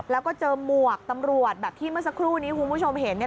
แล้วก็เจอหมวกตำรวจแบบที่เมื่อสักครู่นี้คุณผู้ชมเห็น